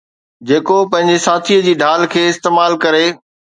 جيڪو پنهنجي ساٿيءَ جي ڍال کي استعمال ڪري.